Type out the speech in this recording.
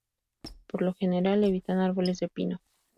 Por lo general evitan árboles de pino.